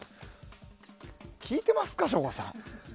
聞いてますか、省吾さん。